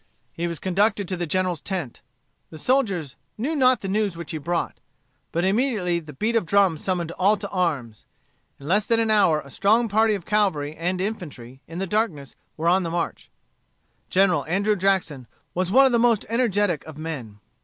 He was conducted to the General's tent. The soldiers knew not the news which he brought. But immediately the beat of drums summoned all to arms. In less than an hour a strong party of cavalry and infantry, in the darkness, were on the march. General Andrew Jackson was one of the most energetic of men.